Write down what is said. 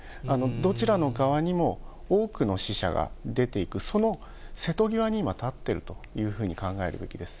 どちらの側にも、多くの死者が出ていく、その瀬戸際に今、立っているというふうに考えるべきです。